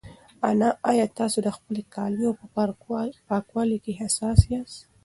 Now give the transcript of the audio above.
ایا تاسي د خپلو کالیو په پاکوالي کې حساس یاست؟